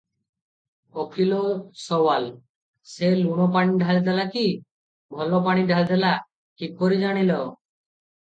ଉକୀଲ ସୱାଲ - ସେ ଲୁଣ ଦହପାଣି ଢାଳି ଦେଲା କି ଭଲ ପାଣି ଢାଳି ଦେଲା, କିପରି ଜାଣିଲ?